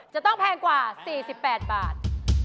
จะต้องแพงกว่า๔๘บาท